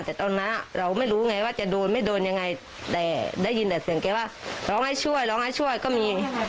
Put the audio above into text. แต่ตอนนั้นอ่ะเราไม่รู้ไงว่าจะโดนไม่โดนยังไง